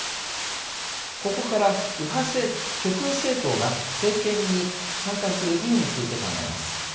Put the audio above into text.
ここから極右政党が政権に参加する意味について考えます。